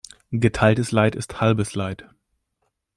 Geteiltes Leid ist halbes Leid.